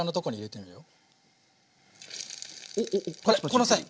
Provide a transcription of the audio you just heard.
このサイン！